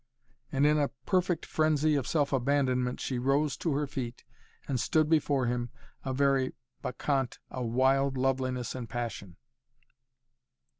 and in a perfect frenzy of self abandonment she rose to her feet and stood before him, a very bacchante of wild loveliness and passion.